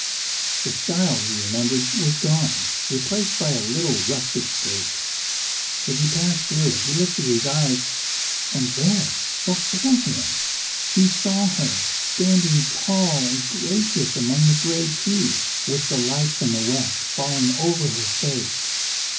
The stile he remembered was gone, replaced by a little rustic gate. As he passed through it he lifted his eyes and there before him he saw her, standing tall and gracious among the grey trees, with the light from the west falling over her face.